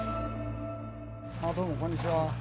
どうもこんにちは。